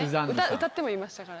歌ってもいましたからね。